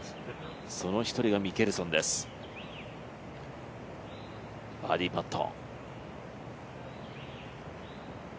その１人がミケルソンです、バーディーパット。